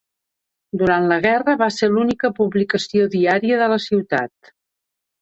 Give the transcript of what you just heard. Durant la guerra va ser l'única publicació diària de la ciutat.